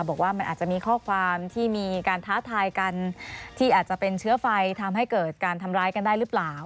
บอกว่ามันอาจจะมีข้อความที่มีการท้าทายกันที่อาจจะเป็นเชื้อไฟทำให้เกิดการทำร้ายกันได้หรือเปล่า